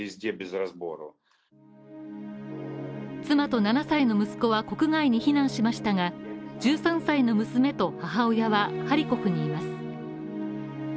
妻と７歳の息子は国外に避難しましたが１３歳の娘と、母親はハリコフにいます。